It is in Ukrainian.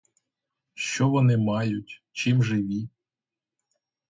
Що вони мають, чим живі?